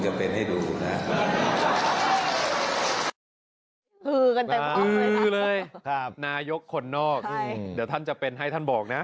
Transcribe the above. คือคนนอกเดี๋ยวท่านจะเป็นให้ท่านบอกนะ